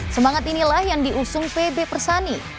semangat inilah yang diusung pb persani